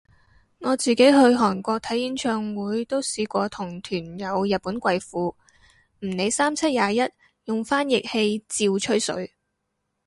我自己去韓國睇演唱會都試過同團有日本貴婦，唔理三七廿一用翻譯器照吹水